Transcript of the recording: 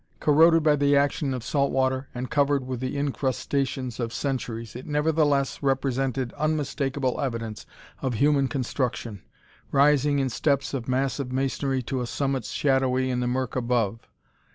Corroded by the action of salt water and covered with the incrustations of centuries, it nevertheless presented unmistakable evidence of human construction, rising in steps of massive masonry to a summit shadowy in the murk above.